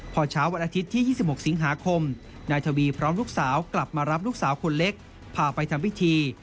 พอเช้าวันอาทิตย์ที่๒๖สิงหาคมนายทวีพร้อมลูกสาวกลับมารับลูกสาวคนเล็กพาไปทำพิธี